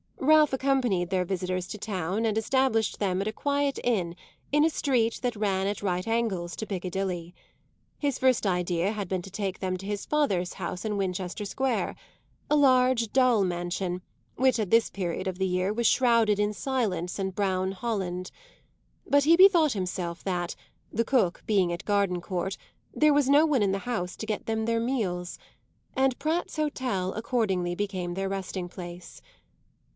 Ralph accompanied their visitors to town and established them at a quiet inn in a street that ran at right angles to Piccadilly. His first idea had been to take them to his father's house in Winchester Square, a large, dull mansion which at this period of the year was shrouded in silence and brown holland; but he bethought himself that, the cook being at Gardencourt, there was no one in the house to get them their meals, and Pratt's Hotel accordingly became their resting place.